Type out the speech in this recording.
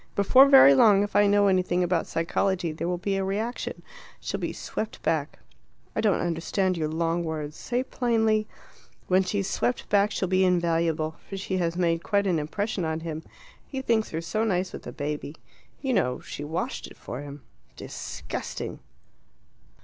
Before very long, if I know anything about psychology, there will be a reaction. She'll be swept back." "I don't understand your long words. Say plainly " "When she's swept back, she'll be invaluable. For she has made quite an impression on him. He thinks her so nice with the baby. You know, she washed it for him." "Disgusting!"